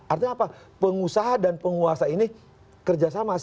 artinya apa pengusaha dan penguasa ini kerja sama